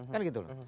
kan gitu loh